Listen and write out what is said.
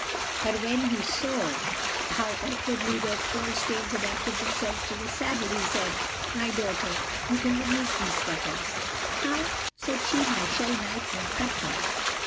But when he saw how awkwardly their false tails adapted themselves to the saddle he said, "My daughter, you can remove these fetters." "How?" said she. "My shell knife won't cut them."